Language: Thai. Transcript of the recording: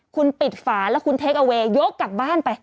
คุณปิดฝาแล้วคุณเทคอเวย์ยกกลับบ้านไป